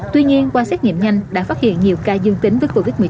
tuy nhiên qua xét nghiệm nhanh đã phát hiện nhiều ca dương tính với covid một mươi chín